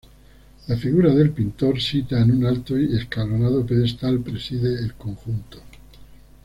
La figura del pintor, sita en un alto y escalonado pedestal, preside el conjunto.